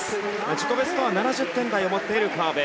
自己ベストは７０点台を持っている河辺。